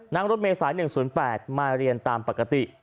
รถเมษาย๑๐๘มาเรียนตามปกติ